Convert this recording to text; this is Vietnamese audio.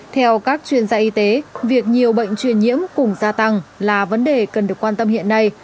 theo các chuyên gia y tế việc nhiều bệnh truyền nhiễm cùng gia tăng là vấn đề cần được quan tâm hiện nay